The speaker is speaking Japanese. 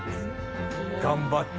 頑張って。